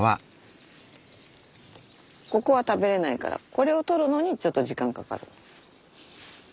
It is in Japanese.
ここは食べれないからこれを取るのにちょっと時間かかる。